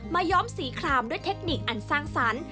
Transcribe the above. ย้อมสีคลามด้วยเทคนิคอันสร้างสรรค์